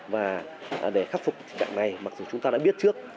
và để khắc phục tình trạng này mặc dù chúng ta đã biết trước